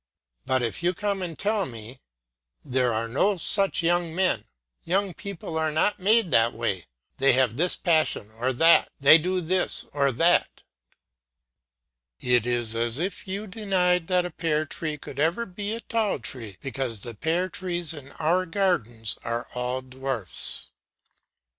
But if you come and tell me, "There are no such young men, young people are not made that way; they have this passion or that, they do this or that," it is as if you denied that a pear tree could ever be a tall tree because the pear trees in our gardens are all dwarfs.